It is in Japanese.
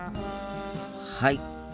はい。